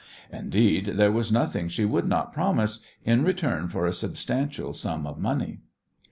Indeed, there was nothing she would not promise in return for a substantial sum of money.